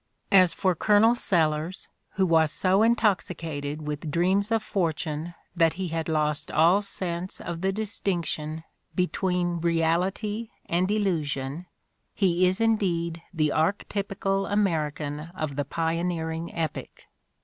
As for Colonel Sellers, who was so intoxicated with dreams of fortune that he had lost all sense of the distinction between reality and illusion, he is indeed the archtypical American of the pioneering epoch.